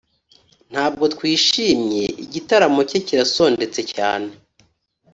ntabwo twishimye […] Igitaramo cye kirasondetse cyane